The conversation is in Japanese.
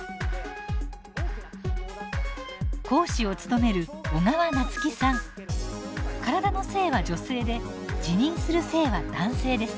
講師を務める体の性は女性で自認する性は男性です。